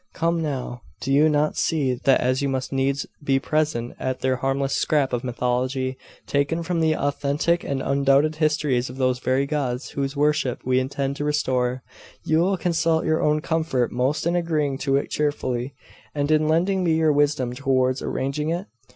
Come now do you not see that as you must needs be present at their harmless scrap of mythology, taken from the authentic and undoubted histories of those very gods whose worship we intend to restore, you will consult your own comfort most in agreeing to it cheerfully, and in lending me your wisdom towards arranging it?